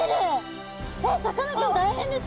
えっさかなクン大変です。